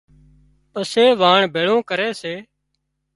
پسي واڻ ڀيۯون ڪري سي